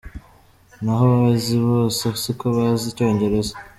Naho abize bose siko bazi icyongereza.